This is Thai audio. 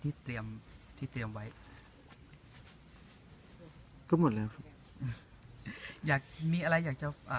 ที่เตรียมที่เตรียมไว้ก็หมดแล้วครับอยากมีอะไรอยากจะอ่า